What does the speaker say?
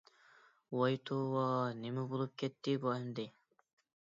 ۋاي توۋا، نېمە بولۇپ كەتتى بۇ ئەمدى.